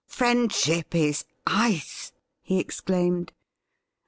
' Friendship is ice f he exclaimed.